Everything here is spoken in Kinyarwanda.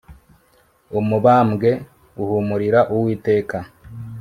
umubabwe uhumurira uwiteka